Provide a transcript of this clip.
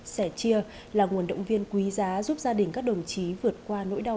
sẻ chia là nguồn động viên quý giá giúp gia đình các đồng chí vượt qua nỗi đau